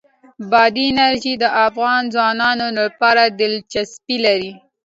بادي انرژي د افغان ځوانانو لپاره دلچسپي لري.